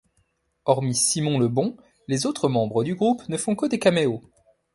Hormis Simon Le Bon, les autres membres du groupe ne font que des caméos.